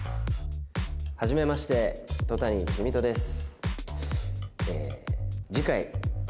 はじめまして戸谷公人です。